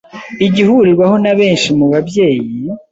Igihurirwaho na benshi mu babyeyi